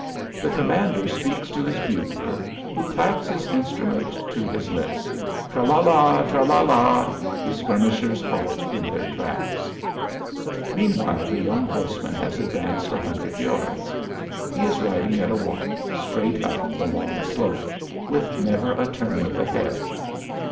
The commander speaks to his bugler, who claps his instrument to his lips. Tra la la! Tra la la! The skirmishers halt in their tracks. Meantime the young horseman has advanced a hundred yards. He is riding at a walk, straight up the long slope, with never a turn of the head.